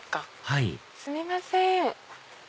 はいすみません！